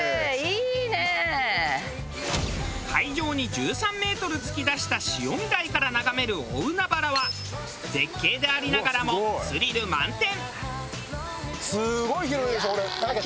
海上に１３メートル突き出した潮見台から眺める大海原は絶景でありながらもスリル満点。